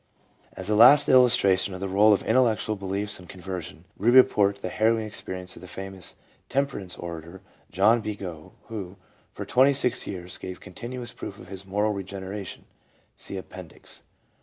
As a last illustration of the r61e of intellectual beliefs in con version, we report the harrowing experience of the famous tem perance orator, John B. Gough, who, for twenty six years, gave continuous proof of his moral regeneration (see appendix).